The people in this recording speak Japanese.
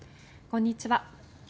こんにちは。